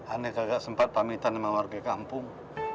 aneh kagak sempat pamitan sama warga kampung